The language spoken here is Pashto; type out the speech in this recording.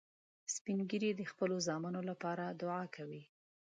سپین ږیری د خپلو زامنو لپاره دعا کوي